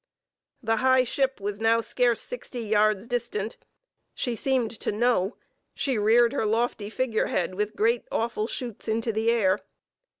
The high ship was now scarce sixty yards distant: she seemed to know: she reared her lofty figure head with great awful shoots into the air.